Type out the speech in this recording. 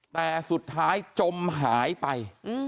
แต่สุดท้ายจมหายไป